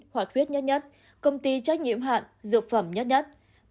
chín hoạt huyết nhất nhất công ty trách nhiệm hạn dược phẩm nhất nhất